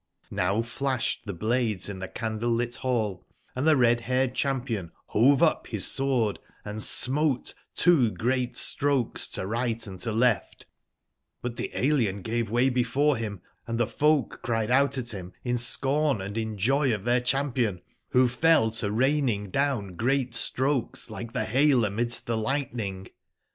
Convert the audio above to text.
J^owfiash ed the blades in the candle/lit hall, and the red/haired champion hove up his sword and smote two great strokes to right and to left; but the alien gave way before him, & the folk cried out at him in scorn and in joy of their champion, who fell to raining down great strokes like the hail amidst the lightning.